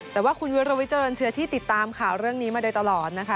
แต่ว่าคุณวิรวิเจริญเชื้อที่ติดตามข่าวเรื่องนี้มาโดยตลอดนะคะ